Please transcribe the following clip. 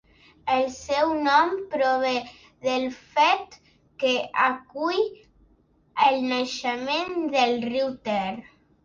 El seu nom prové del fet que acull el naixement del riu Ter.